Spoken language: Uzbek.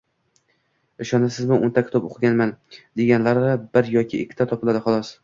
Ishonasizmi, o`nta kitob o`qiganman, deganlari bir yoki ikkita topiladi, xolos